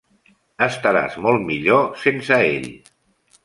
Estaràs molt millor sense ell.